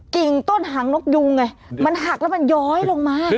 กิ่งต้นหางนกยูงไงมันหักแล้วมันย้อยลงมา